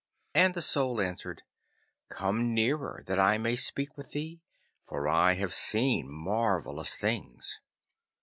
And the Soul answered, 'Come nearer, that I may speak with thee, for I have seen marvellous things.